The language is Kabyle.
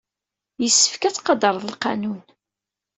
Yessefk ad tqadreḍ lqanun.